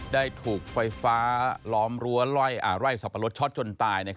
ได้ถูกไฟฟ้าล้อมรั้วไร่สับปะรดช็อตจนตาย